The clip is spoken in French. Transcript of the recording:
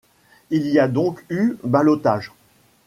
Il y a donc eu ballotage.